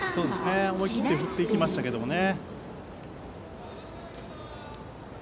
思い切って振っていきましたけどね。